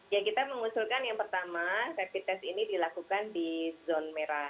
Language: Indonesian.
ya kita mengusulkan yang pertama rapid test ini dilakukan di zona merah